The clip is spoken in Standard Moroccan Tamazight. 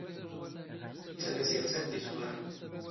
ⵜⴰⵎⴰⵣⵉⵖⵜ ⴰⴷ ⴷ ⵉⵣⵡⴰⵔⵏ!